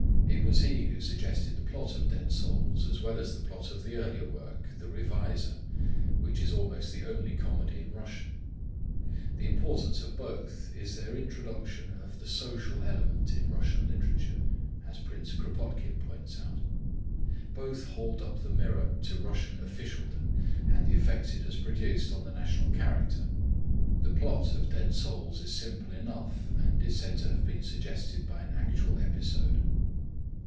It was he who suggested the plot of Dead Souls as well as the plot of the earlier work The Revisor, which is almost the only comedy in Russian. The importance of both is their introduction of the social element in Russian literature, as Prince Kropotkin points out. Both hold up the mirror to Russian officialdom and the effects it has produced on the national character. The plot of Dead Souls is simple enough, and is said to have been suggested by an actual episode.